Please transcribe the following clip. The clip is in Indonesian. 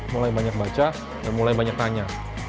mulai banyak baca dan mulai banyak tanya